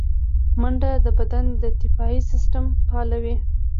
منډه د بدن دفاعي سیستم فعالوي